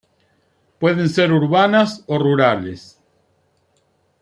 Pueden ser urbanas o rurales.